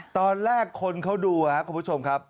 ตอนแรกคนเขาดูครับคุณผู้ชมครับ